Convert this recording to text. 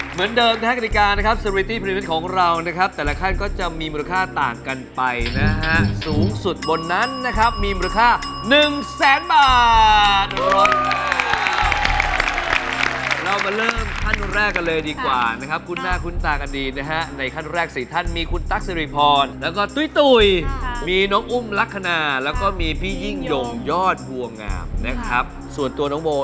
เหมือนเดิมจะขายแต่ละคันก็จะมีมูลค่าต่างกันไปนะฮะสูงสุดบนนั้นนะครับมีมูลค่า๑๐๐๐๐๐บาท